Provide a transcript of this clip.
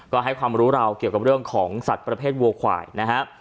ก็ให้ความรู้เราเกี่ยวกับเรื่องของสัตว์ประเภทวัวควายนะฮะ